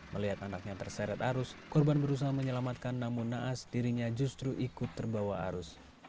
melihat anaknya terseret arus korban berusaha menyelamatkan namun naas dirinya justru ikut terbawa arus